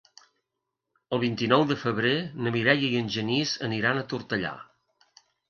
El vint-i-nou de febrer na Mireia i en Genís aniran a Tortellà.